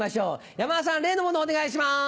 山田さん例のものをお願いします。